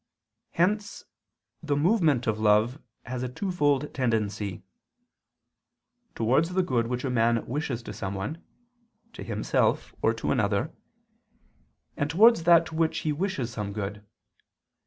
Hence the movement of love has a twofold tendency: towards the good which a man wishes to someone (to himself or to another) and towards that to which he wishes some good.